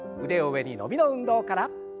腕を上に伸びの運動から。